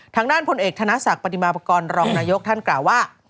ทางด้านพลเอกธนศักดิ์ปฏิมาปกรณรองนายกท่านกล่าวว่า